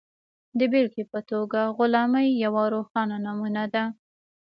د بېلګې په توګه غلامي یوه روښانه نمونه ده.